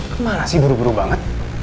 kemana sih buru buru banget